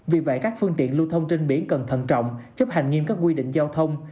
vì vậy các phương tiện lưu thông trên biển cần thận trọng chấp hành nghiêm các quy định giao thông